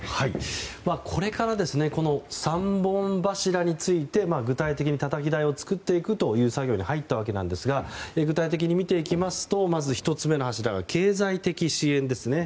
これからこの３本柱について具体的に、たたき台を作っていくという作業に入ったわけですが具体的に見ていきますとまず１つ目の柱が経済的支援ですね。